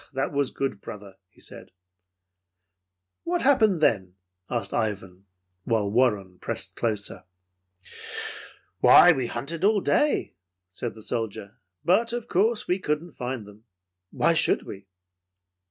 "That was good, brother," he said. "What happened then?" asked Ivan, while Warren pressed closer. "Why, we hunted all day," said the soldier, "but of course we couldn't find them. Why should we?"